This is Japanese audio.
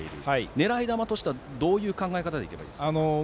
狙い球としてはどういう考えでいけばいいですか。